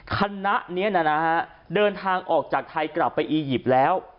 คณะนี้นะฮะเดินทางออกจากไทยกลับไปอียิปต์แล้ว